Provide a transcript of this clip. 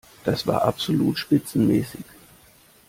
Das war absolut spitzenmäßig!